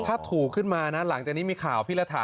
ถ้าถูกขึ้นมานะหลังจากนี้มีข่าวพี่รัฐา